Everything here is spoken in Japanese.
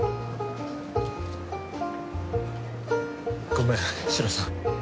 ごめんシロさん。